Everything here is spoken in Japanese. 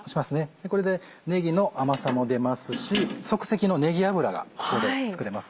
これでねぎの甘さも出ますし即席のねぎ油がこれで作れます。